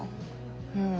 うん。